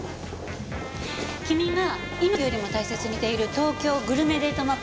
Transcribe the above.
君が命よりも大切にしている『東京グルメデート